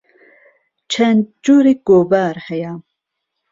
چەند جۆرێک گۆڤار هەیە.